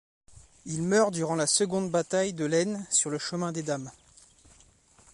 Il meurt durant la seconde bataille de l'Aisne sur le Chemin des Dames.